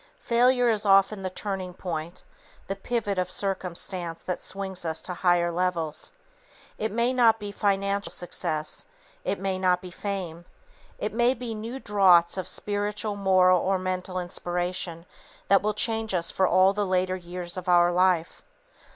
Failure is often the turning point, the pivot of circumstance that swings us to higher levels. It may not be financial success, it may not be fame; it may be new draughts of spiritual, moral or mental inspiration that will change us for all the later years of our life.